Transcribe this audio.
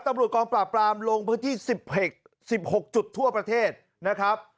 ตำรวจกองปราบปรามลงพื้นที่๑๖จุดทั่วประเทศนะครับ